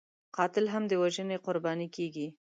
قاتل هم د وژنې قرباني کېږي